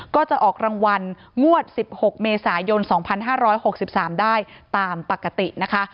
ก็จะออกรางวัลงวด๑๖เมษายน๒๕๖๓ได้ตามปกตินะคะ